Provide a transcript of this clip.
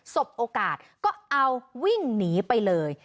สบโอกาสก็เอาวิ่งหนีไปเลย